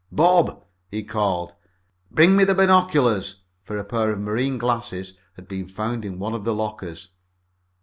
"Bob!" he called, "bring me the binoculars," for a pair of marine glasses had been found in one of the lockers.